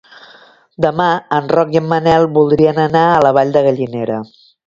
Demà en Roc i en Manel voldrien anar a la Vall de Gallinera.